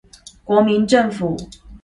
國民政府